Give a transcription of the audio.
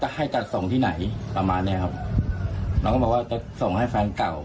ให้จัดส่งที่ไหนประมาณเนี้ยครับน้องก็บอกว่าจะส่งให้แฟนเก่า